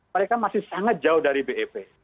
mereka masih sangat jauh dari bep